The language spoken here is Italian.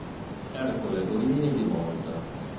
Ercole Durini di Monza